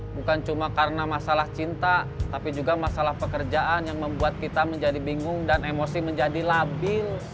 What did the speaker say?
bukan cuma karena masalah cinta tapi juga masalah pekerjaan yang membuat kita menjadi bingung dan emosi menjadi labil